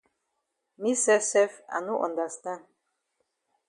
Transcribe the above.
Me sef sef I no understand.